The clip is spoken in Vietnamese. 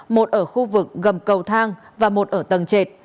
một ở khu vực gầm cầu thang và một ở tầng trệt